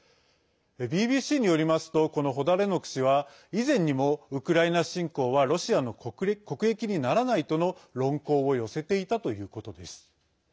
ＢＢＣによりますとこのホダレノク氏は以前にもウクライナ侵攻はロシアの国益にならないとの論考を寄せていたということです。